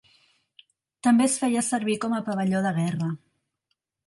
També es feia servir com a pavelló de guerra.